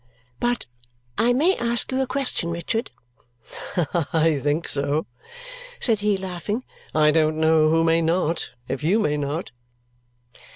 "But I may ask you a question, Richard?" "I think so," said he, laughing. "I don't know who may not, if you may not."